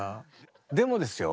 でもですよ